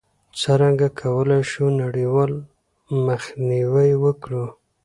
څرنګه کولای شو نړیوال مخنیوی وکړو؟